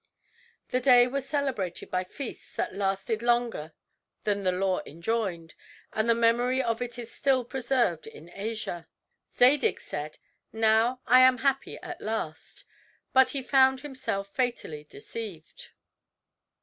The day was celebrated by feasts that lasted longer than the law enjoined; and the memory of it is still preserved in Asia. Zadig said, "Now I am happy at last;" but he found himself fatally deceived.